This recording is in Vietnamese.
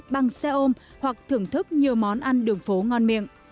bằng xe ôm hoặc thưởng thức nhiều món ăn đường phố ngon miệng